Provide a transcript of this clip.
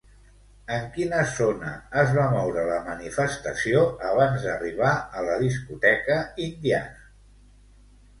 En quina zona es va moure la manifestació abans d'arribar a la discoteca Indiana?